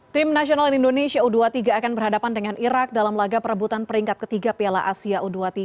tim nasional indonesia u dua puluh tiga akan berhadapan dengan irak dalam laga perebutan peringkat ketiga piala asia u dua puluh tiga